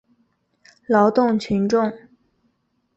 劳动群众。